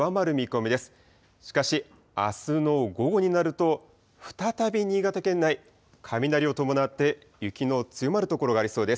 しかし、あすの午後になると、再び新潟県内、雷を伴って雪の強まる所がありそうです。